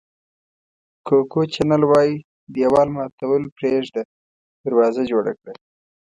کوکو چینل وایي دېوال ماتول پرېږده دروازه جوړه کړه.